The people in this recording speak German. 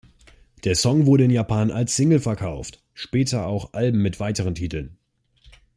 Der Song wurde in Japan als Single verkauft, später auch Alben mit weiteren Titeln.